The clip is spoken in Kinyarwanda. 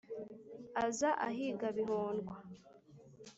aza ahiga bihondwa